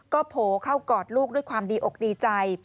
ก็โผล่เข้ากอดลูกด้วยความดีอกดีใจ